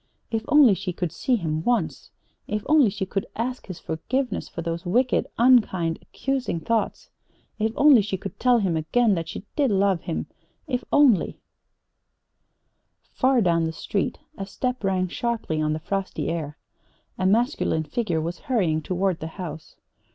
If only she could see him once. If only she could ask his forgiveness for those wicked, unkind, accusing thoughts. If only she could tell him again that she did love him. If only Far down the street a step rang sharply on the frosty air. A masculine figure was hurrying toward the house.